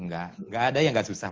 nggak ada yang nggak susah